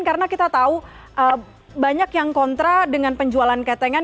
karena kita tahu banyak yang kontra dengan penjualan ketengan